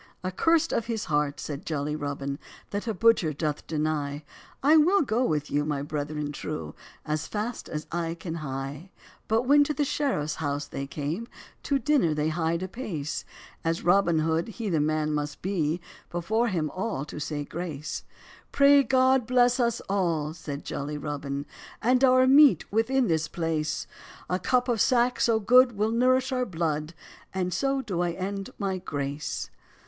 "Accurst of his heart," said jolly Robin, "That a butcher doth deny; I will go with you, my brethren true, As fast as I can hie." But when to the sheriffs house they came, To dinner they hied apace, And Robin Hood he the man must be Before them all to say grace. "Pray God bless us all," said jolly Robin, "And our meat within this place; A cup of sack so good will nourish our blood, And so do I end my grace."